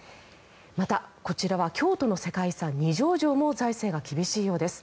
また、こちらは京都の世界遺産二条城も財政が厳しいようです。